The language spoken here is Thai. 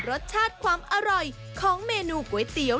รสชาติความอร่อยของเมนูก๋วยเตี๋ยว